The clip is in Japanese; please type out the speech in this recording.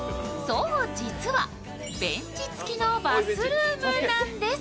そう、実はベンチ付きのバスルームなんです。